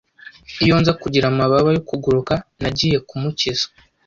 Iyo nza kugira amababa yo kuguruka, nagiye kumukiza.